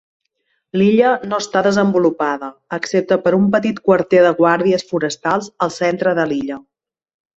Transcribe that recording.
L'illa no està desenvolupada, excepte per un petit quarter de guàrdies forestals al centre de l'illa.